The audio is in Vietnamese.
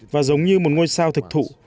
và giống như một ngôi sao thực thụ